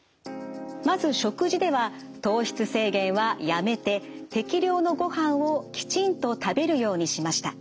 まず食事では糖質制限はやめて適量のごはんをきちんと食べるようにしました。